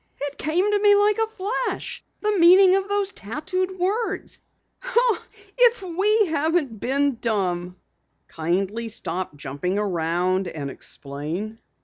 "It came to me like a flash the meaning of those tattooed words! If we haven't been dumb!" "Kindly stop jumping around, and explain."